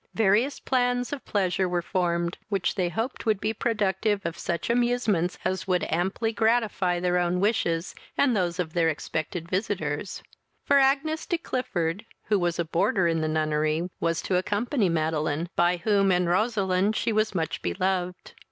Various plans of pleasure were formed, which they hoped would be productive of such amusements as would amply gratify their own wishes, and those of their expected visitors; for Agnes de Clifford, who was a boarder in the nunnery, was to accompany Madeline, by whom and Roseline she was much beloved.